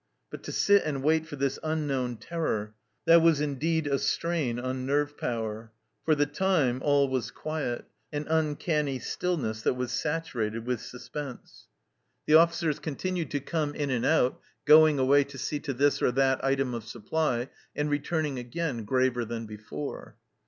But to sit and wait for this unknown terror, that was indeed a strain on nerve power. For the time all was quiet an uncanny stillness that was saturated with suspense ! 26 202 THE CELLAR HOUSE OF PERVYSE The officers continued to come in and out, going away to see to this or that item of supply, and returning again graver than before.